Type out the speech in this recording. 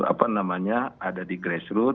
apa namanya ada di grassroot